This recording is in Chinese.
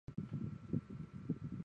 反应佛道融合之民间信仰特色。